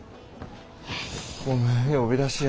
ごめん呼び出しや。